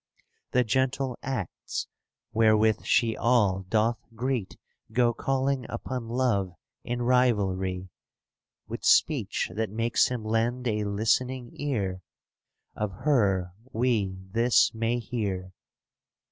The gentle acts wherewith she all doth greet *^ Go calling upon Love in rivalry. With speech that makes him lend a listening ear. Of her we this may hear.